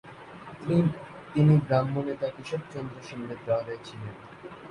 তিনি ব্রাহ্মনেতা কেশবচন্দ্র সেনের দলে ছিলেন।